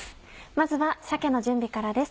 まずは鮭の準備からです。